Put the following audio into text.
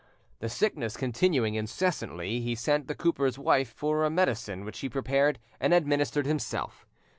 The sickness continuing incessantly, he sent the cooper's wife for a medicine which he prepared and administered himself.